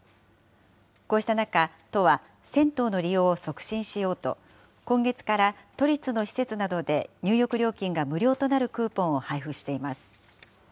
こうした中、都は銭湯の利用を促進しようと、今月から都立の施設などで入浴料金が無料となるクーポンを配布しています。